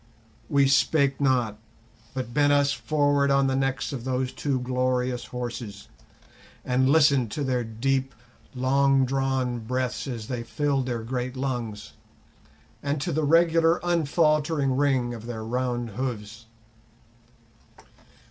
We spake not, but bent us forward on the necks of those two glorious horses, and listened to their deep, long drawn breaths as they filled their great lungs, and to the regular unfaltering ring of their round hoofs.